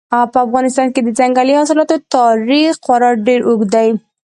په افغانستان کې د ځنګلي حاصلاتو تاریخ خورا ډېر اوږد دی.